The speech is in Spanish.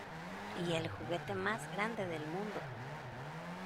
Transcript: ¡ Y el juguete más grande del mundo!